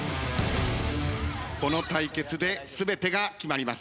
この対決で全てが決まります。